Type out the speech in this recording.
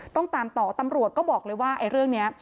ต้องตามต่อตำรวจก็บอกเลยว่าไอ้เรื่องนี้